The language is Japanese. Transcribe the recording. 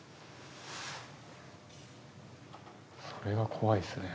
それが怖いですね。